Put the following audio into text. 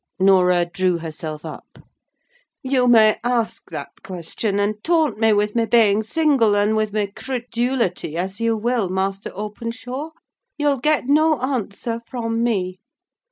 Norah drew herself up. "You may ask that question, and taunt me with my being single, and with my credulity, as you will, Master Openshaw. You'll get no answer from me.